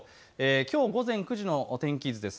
きょう午前９時の天気図です。